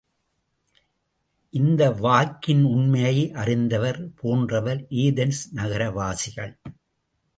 இந்த வாக்கின் உண்மையை அறிந்தவர் போன்றவர் ஏதென்ஸ் நகரவாசிகள்.